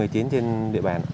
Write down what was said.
trên địa phương